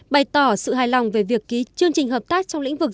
bày tỏ sự hài lòng về việc ký chương trình hợp tác trong lĩnh vực